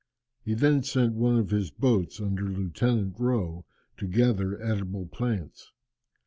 He then sent one of his boats under Lieutenant Rowe to gather edible plants.